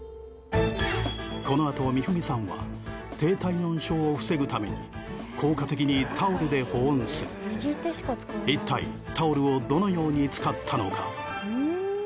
このあと美文さんは低体温症を防ぐために効果的にタオルで保温する一体タオルをどのように使ったのか？